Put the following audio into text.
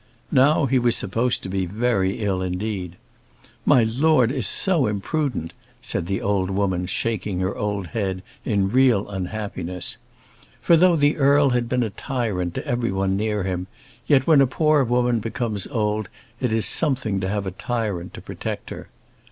Now he was supposed to be very ill indeed. "My Lord is so imprudent!" said the old woman, shaking her old head in real unhappiness. For though the Earl had been a tyrant to everyone near him, yet when a poor woman becomes old it is something to have a tyrant to protect her.